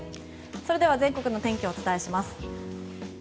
それでは全国の天気をお伝えします。